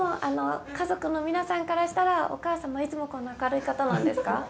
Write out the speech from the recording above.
家族の皆さんからしたらお母様いつもこんな明るい方なんですか？